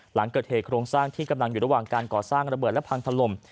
หลังเกิดเหตุโครงสร้างที่กำลังอยู่ระหว่างการก่อสร้างระเบิดและพังถล่ม